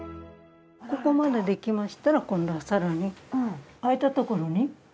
ここまでできましたら今度はさらに空いたところに。